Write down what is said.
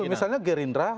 itu misalnya gerindra